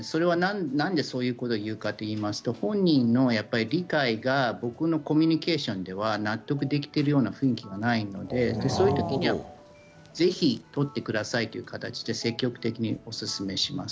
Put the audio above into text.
なぜそういうことを言うかというと本人の理解が僕のコミュニケーションでは納得できているような雰囲気ではないのでそういう時にはぜひ取ってくださいという形で積極的に勧めます。